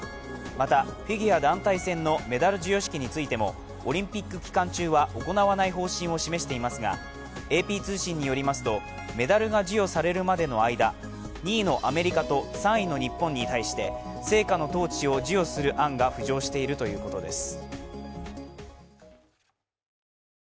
またフィギュア団体戦のメダル授与式についてもオリンピック期間中は行わない方針を示していますがＡＰ通信によりますとメダルが授与されるまでの間２位のアメリカと３位の日本に対して聖火のトーチを授与する案が浮上しているということです。